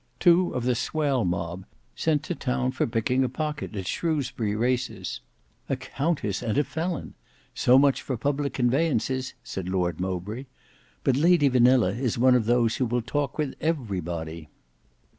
Two of the swell mob, sent to town for picking a pocket at Shrewsbury races." "A countess and a felon! So much for public conveyances," said Lord Mowbray. "But Lady Vanilla is one of those who will talk with everybody."